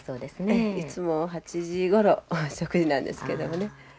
ええいつも８時ごろ食事なんですけどもね。